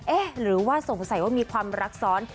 หรือว่าสงสัยว่ามีความรักซ้อน